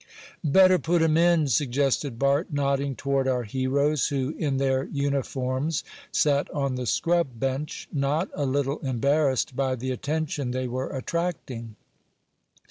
"Better put 'em in," suggested Bart, nodding toward our heroes, who, in their uniforms, sat on the scrub bench, not a little embarrassed by the attention they were attracting.